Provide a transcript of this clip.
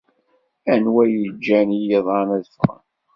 Anwa i yeǧǧan i yiḍan ad ffɣen?